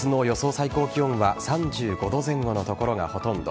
最高気温は３５度前後の所がほとんど。